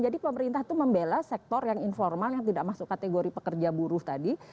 jadi pemerintah itu membela sektor yang informal yang tidak masuk kategori pekerja buruh tadi